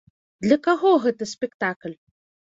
Для каго гэты спектакль?